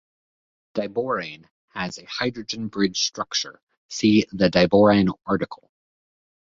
Diborane has a hydrogen-bridged structure, see the diborane article.